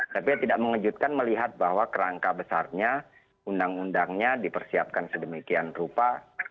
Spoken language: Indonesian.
tapi tidak mengejutkan melihat bahwa kerangka besarnya undang undangnya dipersiapkan sedemikian rupa